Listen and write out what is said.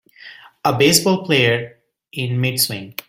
a baseball player in midswing.